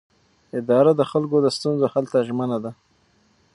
اداره د خلکو د ستونزو حل ته ژمنه ده.